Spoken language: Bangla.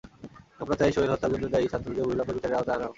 আমরা চাই সোহেল হত্যার জন্য দায়ী ছাত্রদের অবিলম্বে বিচারের আওতায় আনা হোক।